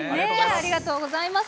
ありがとうございます。